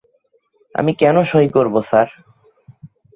আমি কেন সঁই করব, স্যার?